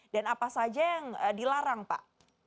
dan apa saja yang dilarang pak